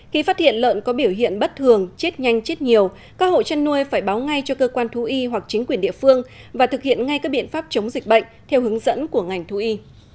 khi phát hiện lợn có biểu hiện bất thường chết nhanh chết nhiều các hộ chăn nuôi phải báo ngay cho cơ quan thú y hoặc chính quyền địa phương và thực hiện ngay các biện pháp chống dịch bệnh theo hướng dẫn của ngành thú y